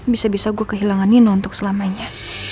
bisa bisa gue kehilangan nino untuk selamanya